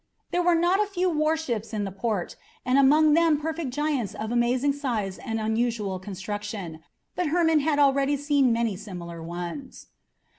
There were not a few war ships in the port and among them perfect giants of amazing size and unusual construction, but Hermon had already seen many similar ones.